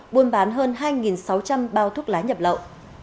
buôn bán hơn hai sáu trăm linh bao thuốc lá nhập lậu